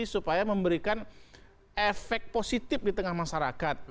supaya memberikan efek positif di tengah masyarakat